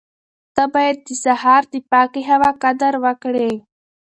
ته باید د سهار د پاکې هوا قدر وکړې.